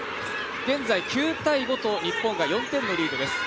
現在、９−５と日本が４点のリードです。